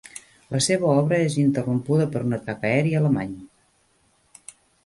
La seva obra és interrompuda per un atac aeri alemany.